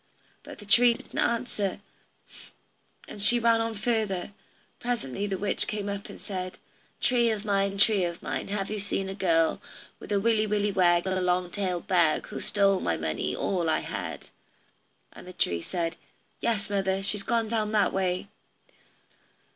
But the tree didn't answer, and she ran on further. Presently the witch came up and said: "Tree of mine, tree of mine, Have you seen a girl, With a willy willy wag, and a long tailed bag, Who's stole my money, all I had?" The tree said, "Yes, mother; she's gone down that way."